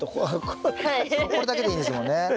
これだけでいいんですもんね。